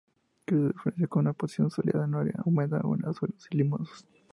Crece de preferencia en una posición soleada, en arena húmeda o en suelos limosos.